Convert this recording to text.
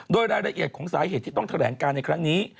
โดยรายละเอียดของสาเหตุที่ต้องแถลงการในครั้งนี้